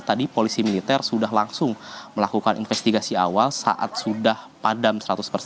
tadi polisi militer sudah langsung melakukan investigasi awal saat sudah padam